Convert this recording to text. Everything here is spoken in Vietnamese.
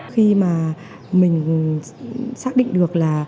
khi mà mình xác định được là